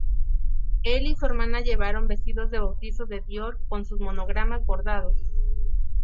Él y su hermana llevaron vestidos de bautizo de Dior con sus monogramas bordados.